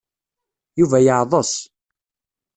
Yuba yeɛḍes.